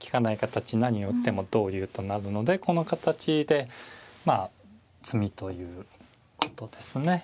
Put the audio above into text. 利かない形何を打っても同竜となるのでこの形でまあ詰みということですね。